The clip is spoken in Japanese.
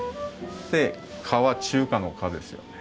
で「か」は中華の「華」ですよね。